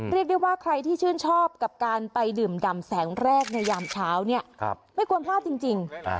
เรียกได้ว่าใครที่ชื่นชอบกับการไปดื่มดำแสงแรกในยามเช้าเนี่ยไม่ควรพลาดจริง